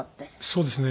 そうですね。